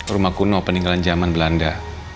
rumah kuno peninggalan zaman belanda